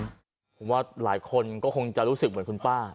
ผมว่าหลายคนก็คงจะรู้สึกเหมือนคุณป้า